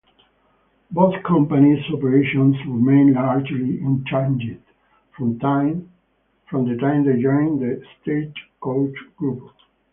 Both companies' operations remain largely unchanged from the time they joined the Stagecoach Group.